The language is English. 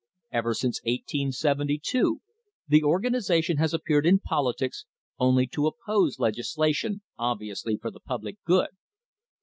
Ever since 1872 the organisation has appeared in politics only to oppose legisla tion obviously for the public good.